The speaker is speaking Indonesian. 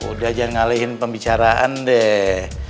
udah jangan ngalahin pembicaraan deh